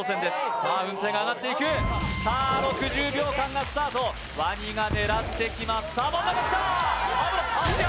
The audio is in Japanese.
さあウンテイが上がっていくさあ６０秒間がスタートワニが狙ってきますさあ真ん中きた危ない足！